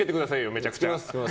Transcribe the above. めちゃくちゃ。